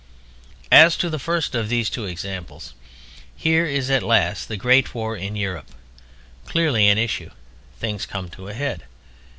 As to the first of these two examples: Here is at last the Great War in Europe: clearly an issue—things come to a head.